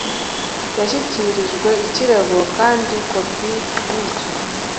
yashyikirijwe ikirego kandi kopi y icyo